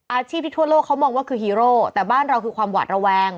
อาชีพที่ทั่วโลกเขามองว่าคือฮีโร่แต่บ้านเราคือความหวาดระแวง